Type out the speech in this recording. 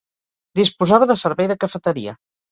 Disposava de servei de cafeteria.